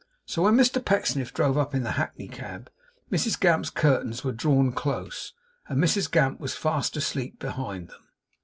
So when Mr Pecksniff drove up in the hackney cab, Mrs Gamp's curtains were drawn close, and Mrs Gamp was fast asleep behind them.